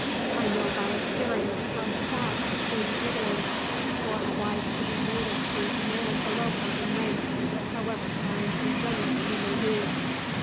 I know by experience how sad a thing it is for a wife to be mated to a man below her in rank, however kind and generous he may be.